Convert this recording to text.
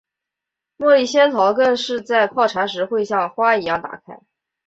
茉莉仙桃更是在泡茶时会像花一样打开。